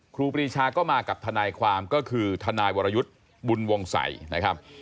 ครีชาก็มากับทนายความก็คือทนายวรยุทธ์บุญวงศัยนะครับ